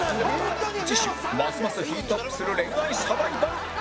次週ますますヒートアップする恋愛サバイバル